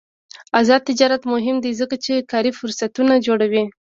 آزاد تجارت مهم دی ځکه چې کاري فرصتونه جوړوي.